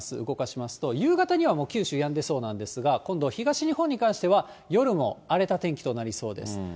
動かしますと、夕方にはもう九州、やんでそうなんですが、今度、東日本に関しては夜も荒れた天気となりそうです。